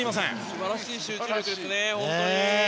素晴らしい集中力ですね。